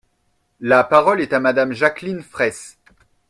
La parole est à Madame Jacqueline Fraysse.